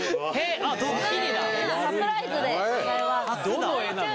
どの絵なの？